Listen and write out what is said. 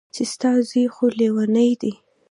چې ستا زوى خو ليونۍ دى.